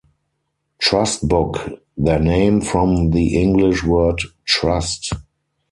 Trust took their name from the English word "trust".